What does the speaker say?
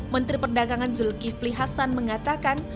menteri perdagangan zulkifli hasan mengatakan